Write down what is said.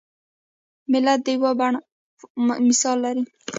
ملت د یوه بڼ مثال لري.